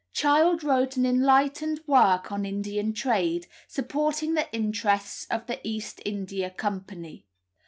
Child wrote an enlightened work on Indian trade, supporting the interests of the East India Company.